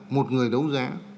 một người đấu giá